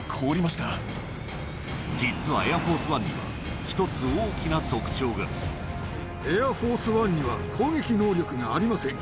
実はエアフォースワンには、エアフォースワンには攻撃能力がありません。